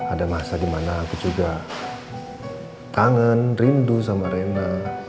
ada masa dimana aku juga kangen rindu sama rena